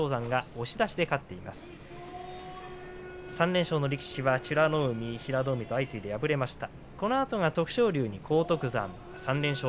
３連勝の力士は美ノ海と平戸海と相次いで敗れました。